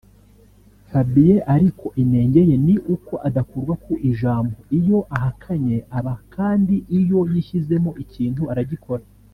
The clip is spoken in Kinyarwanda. Fabien ariko inenge ye ni uko adakurwa ku ijambo iyo ahakanye aba kandi iyo yishyizemo ikintu aragikora